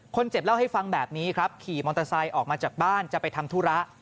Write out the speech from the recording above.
คนเจ็บเล่าให้ฟังแบบนี้ครับขี่มอเตอร์ไซค์ออกมาจากบ้านจะไปทำธุระ